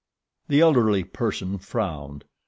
The elderly person frowned.